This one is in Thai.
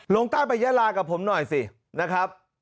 ลงใต้ไปยาลากับผมหน่อยสินะครับ